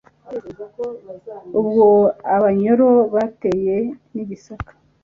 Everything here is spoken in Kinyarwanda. Ubwo Abanyoro bateye n'i Gisaka,